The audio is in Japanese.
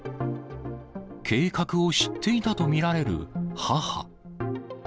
計画を知っていたと見られる母。